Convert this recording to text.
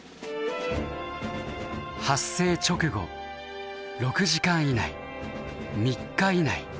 「発生直後」「６時間以内」「３日以内」